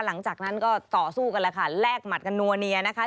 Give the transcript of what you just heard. หลังจากนั้นก็ต่อสู้กันแล้วค่ะแลกหมัดกันนัวเนียนะคะ